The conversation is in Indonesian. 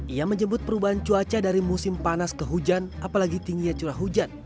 ia menjemput perubahan cuaca dari musim panas ke hujan apalagi tinggi yang curah hujan